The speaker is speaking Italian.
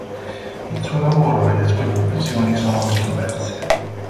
Il suo lavoro e le sue conclusioni sono controverse.